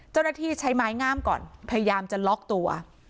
เจ้าหน้าที่ใช้ไม้งามก่อนพยายามจะล็อกตัว